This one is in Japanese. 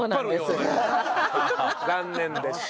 残念でした。